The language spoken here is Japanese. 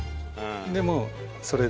でもうそれで。